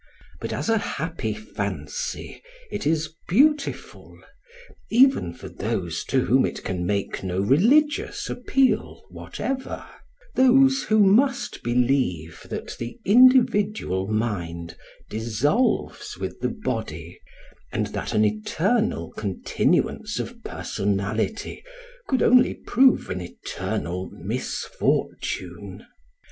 But as a happy fancy it is beautiful, even for those to whom it can make no religious appeal whatever, — those who must believe that the individual mind dis solves with the body, and that an eternal contin uance of personality could only prove an eternal misfortune.